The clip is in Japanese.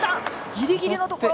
ギリギリのところ！